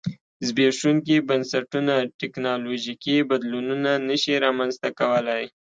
زبېښونکي بنسټونه ټکنالوژیکي بدلونونه نه شي رامنځته کولای.